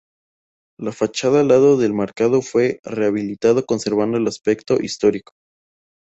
La fachada al lado del marcado fue rehabilitado conservando el aspecto histórico.